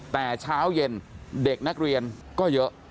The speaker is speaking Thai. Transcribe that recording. แต่เช้าเย็นเด็กนักเรียนก็เยอะ